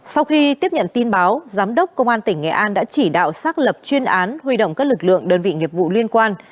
sau khi tiếp nhận tin báo giám đốc công an tỉnh nghệ an đã chỉ đạo xác lập chuyên án huy động các lực lượng đơn vị nghiệp vụ liên quan